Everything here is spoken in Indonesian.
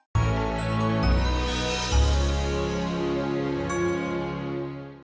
jangan lupa like subscribe dan share ya